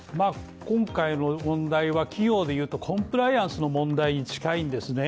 今回の問題は企業でいうとコンプライアンスの問題に近いんですね。